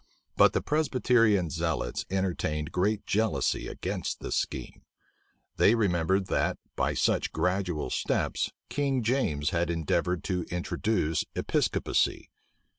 But the Presbyterian zealots entertained great jealousy against this scheme. They remembered that, by such gradual steps, King James had endeavored to introduce Episcopacy.